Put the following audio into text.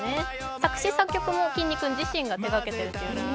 作詞作曲も、きんに君自身が手がけているんです。